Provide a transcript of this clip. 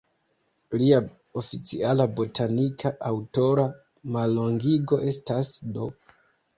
Lia oficiala botanika aŭtora mallongigo estas "D.".